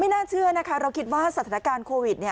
น่าเชื่อนะคะเราคิดว่าสถานการณ์โควิด